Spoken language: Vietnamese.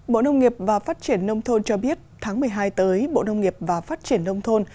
bộ nông nghiệp và phát triển nông thôn cho biết tháng một mươi hai tới bộ nông nghiệp và phát triển nông thôn